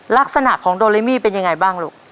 ลักษณะของโดเรมี่เป็นยังไงบ้างลูก